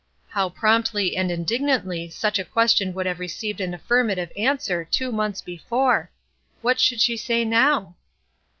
How promptly and indignantly such a question would have received an affirmative answer two months before! What should she say now?